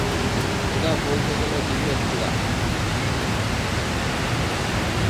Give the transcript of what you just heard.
এটা বলতে গেলে, দ্বীপের চূড়া।